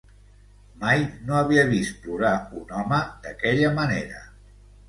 Mai no havia vist plorar un home d'aquella manera.